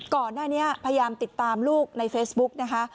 ก่อนหน้านี้พยายามติดตามลูกในเฟซบุ๊กนะคะ